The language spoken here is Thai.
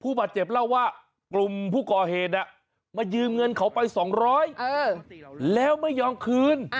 บาดเจ็บเล่าว่ากลุ่มผู้ก่อเหตุมายืมเงินเขาไป๒๐๐แล้วไม่ยอมคืน